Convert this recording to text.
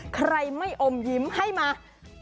ใครไม่อมยิ้มให้มา